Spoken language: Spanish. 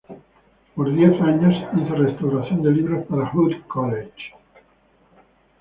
Por diez años hizo restauración de libros para Hood College.